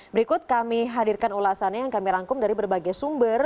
berikut kami hadirkan ulasannya yang kami rangkum dari berbagai sumber